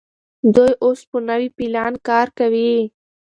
دوی اوس په نوي پلان کار کوي.